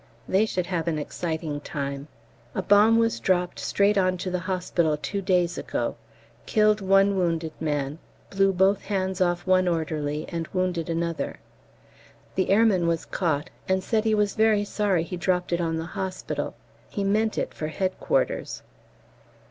They should have an exciting time. A bomb was dropped straight on to the hospital two days ago killed one wounded man, blew both hands off one orderly, and wounded another. The airman was caught, and said he was very sorry he dropped it on the hospital; he meant it for Headquarters.